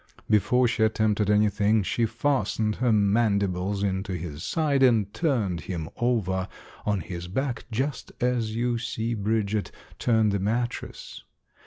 Before she attempted anything, she fastened her mandibles into his side and turned him over on his back just as you see Bridget turn the mattress.